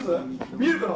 見えるかな？